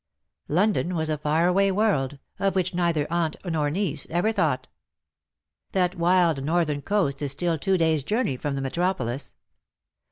London was a far away world, of which neither aunt nor niece ever thought. That wild northern coast is still two days^ journey from the metropolis.